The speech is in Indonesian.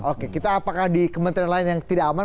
oke kita apakah di kementerian lain yang tidak aman